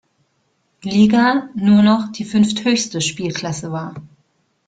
Liga nur noch die fünfthöchste Spielklasse war.